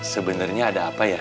sebenarnya ada apa ya